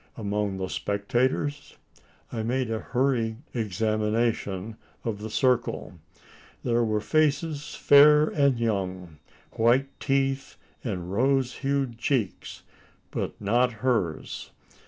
Among the spectators? I made a hurried examination of the circle. There were faces fair and young white teeth and rose hued cheeks but not hers.